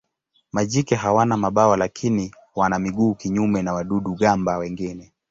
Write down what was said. Majike hawana mabawa lakini wana miguu kinyume na wadudu-gamba wengine.